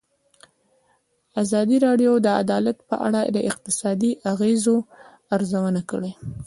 ازادي راډیو د عدالت په اړه د اقتصادي اغېزو ارزونه کړې.